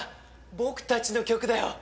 僕たちの曲だよ。